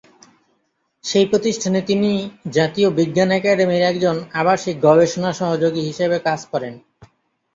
সেই প্রতিষ্ঠানে তিনি জাতীয় বিজ্ঞান একাডেমীর একজন "আবাসিক গবেষণা সহযোগী" হিসেবে কাজ করেন।